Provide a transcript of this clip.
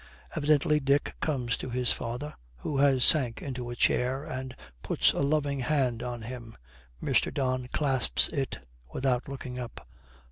Evidently Dick comes to his father, who has sank into a chair, and puts a loving hand on him. Mr. Don clasps it without looking up.